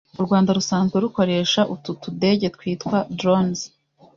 U Rwanda rusanzwe rukoresha utu tudege twitwa 'drones'